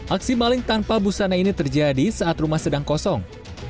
aksi maling tanpa busana ini terjadi saat rumah sedang kosong